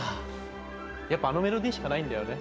やっぱあのメロディーしかないんだよね。